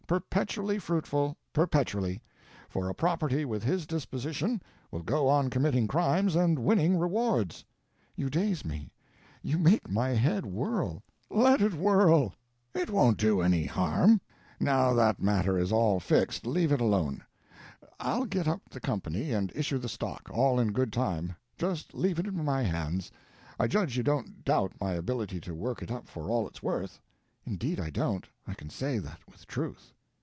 Perpetually fruitful—perpetually; for a property with his disposition will go on committing crimes and winning rewards." "You daze me, you make my head whirl!" "Let it whirl, it won't do it any harm. Now that matter is all fixed—leave it alone. I'll get up the company and issue the stock, all in good time. Just leave it in my hands. I judge you don't doubt my ability to work it up for all it is worth." "Indeed I don't. I can say that with truth."